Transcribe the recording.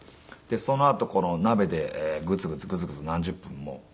そのあと鍋でグツグツグツグツ何十分も煮て。